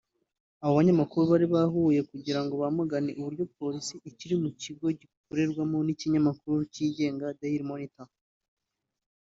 Abo banyamakuru bari bahuye kugira ngo bamagane uburyo Polisi ikiri mu kigo gikorerwamwo n’ikinyamakuru cyigenga Daily Monitor